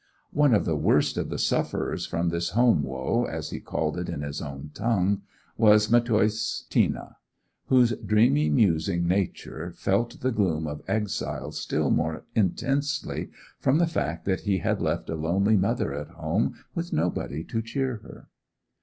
One of the worst of the sufferers from this home woe, as he called it in his own tongue, was Matthäus Tina, whose dreamy musing nature felt the gloom of exile still more intensely from the fact that he had left a lonely mother at home with nobody to cheer her.